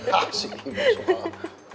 hah sih ini juga